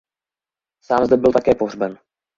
Sám zde byl také pohřben.